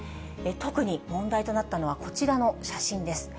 特に問題となったのはこちらの写真です。